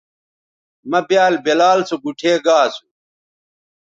مہ بیال بلال سو گوٹھے گا اسو